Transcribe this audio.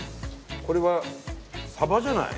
これはサバじゃない？